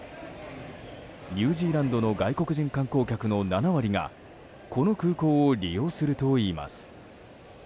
ニュージーランドの外国人観光客の７割がこの空港を利用するといいます。